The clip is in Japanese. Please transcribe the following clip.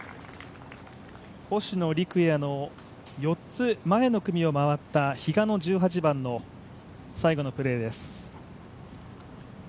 星野陸也の４つ前の組を回った、比嘉の１８番の最後のプレーです。